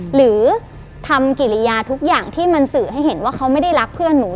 หรือทำกิริยาทุกอย่างที่มันสื่อให้เห็นว่าเขาไม่ได้รักเพื่อนหนู